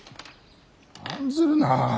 案ずるな。